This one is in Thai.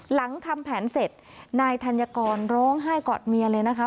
หลังทำแผนเสร็จนายธัญกรร้องไห้กอดเมียเลยนะคะ